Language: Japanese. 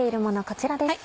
こちらです。